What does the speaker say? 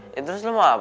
eh terus lo mau apa